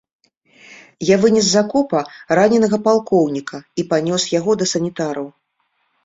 Я вынес з акопа раненага палкоўніка і панёс яго да санітараў.